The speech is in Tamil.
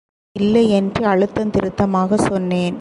இல்லை என்று அழுத்தம் திருத்தமாக சொன்னேன்.